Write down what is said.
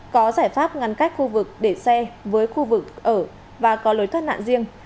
có giải pháp ngăn cách khu vực để xe với khu vực ở và có lối thoát nạn riêng